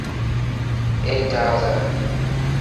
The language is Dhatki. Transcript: اي جهاز هي.